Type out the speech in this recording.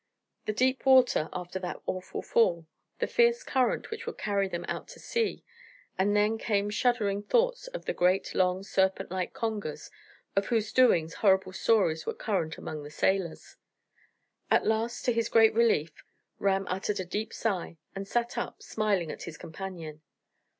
The deep water after that awful fall, the fierce current which would carry him out to sea and then came shuddering thoughts of the great, long, serpent like congers, of whose doings horrible stories were current among the sailors. At last, to his great relief, Ram uttered a deep sigh, and sat up, smiling at his companion.